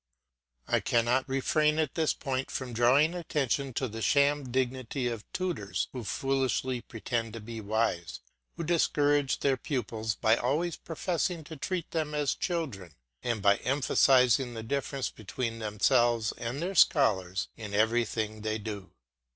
I cannot refrain at this point from drawing attention to the sham dignity of tutors, who foolishly pretend to be wise, who discourage their pupils by always professing to treat them as children, and by emphasising the difference between themselves and their scholars in everything they do.